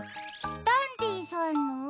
ダンディさんの？